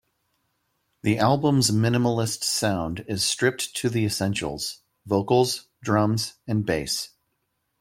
The album's minimalist sound is stripped to the essentials: vocals, drums, and bass.